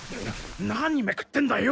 何めくってんだよ。